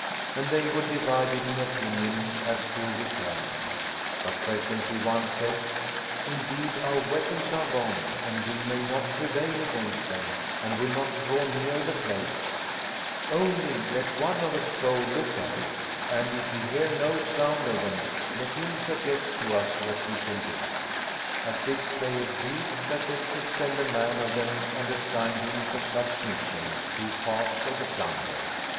And they were divided in opinion as to returning ; but presently one said, " Indeed, our weap ons are gone and we may not prevail against them and will not draw near the place: only let one of us go look at it, and if he hear no sound of them, let him suggest to us what we shall do." At this they agreed that they should send a man of them and assigned him for such mission two parts of the plunder.